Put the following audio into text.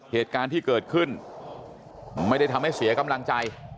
เหตุการณ์ที่เกิดขึ้นไม่ได้ทำให้เสียกำลังใจ